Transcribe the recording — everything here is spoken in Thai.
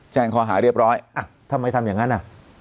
แจ้งคอหาเรียบร้อยทำไมทำอย่างนั้น